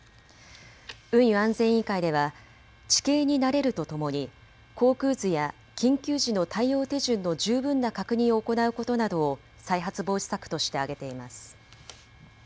運輸安全委員会では地形に慣れるとともに航空図や緊急時の対応手順の十分な確認を行うことなどを再発防止策として挙げています。